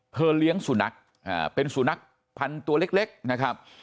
เธอเลี้ยงสุนัขอ่าเป็นสุนัขพันธุ์ตัวเล็กเล็กนะครับ